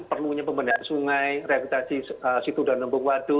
perlunya pembendahan sungai rehabilitasi situs dan lombong waduk